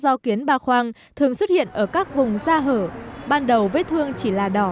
do kiến ba khoang thường xuất hiện ở các vùng da hở ban đầu vết thương chỉ là đỏ